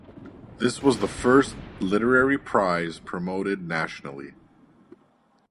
This was the first literary prize promoted nationally.